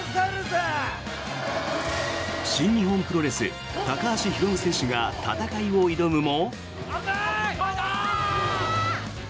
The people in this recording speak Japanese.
新日本プロレス高橋ヒロム選手が戦いを挑むも。